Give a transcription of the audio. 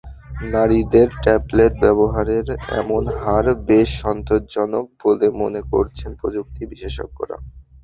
নারীদের ট্যাবলেট ব্যবহারের এমন হার বেশ সন্তোষজনক বলে মনে করছেন প্রযুক্তি বিশেষজ্ঞরা।